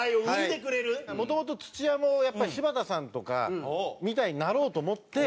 もともと土屋もやっぱり柴田さんとかみたいになろうと思って。